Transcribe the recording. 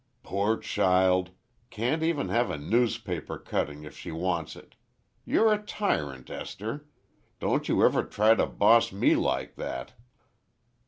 "Poor child! Can't even have a newspaper cutting, if she wants it! You're a tyrant, Esther! Don't you ever try to boss me like that!"